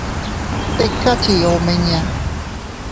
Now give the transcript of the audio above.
Tika chii omiña.